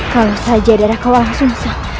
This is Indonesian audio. kalau saja darah kau langsung sah